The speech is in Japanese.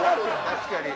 確かに。